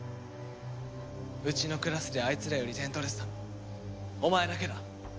うちのクラスであいつらより点取れてたのお前だけだ。